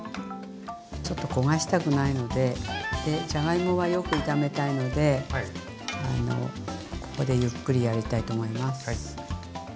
ちょっと焦がしたくないのででじゃがいもはよく炒めたいのでここでゆっくりやりたいと思います。